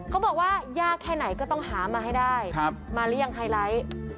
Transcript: เขาบอกว่ายากแค่ไหนก็ต้องหามาให้ได้มาหรือยังไฮไลท์